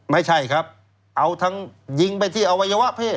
ไม่ใช่ครับเอาทั้งยิงไปที่อวัยวะเพศ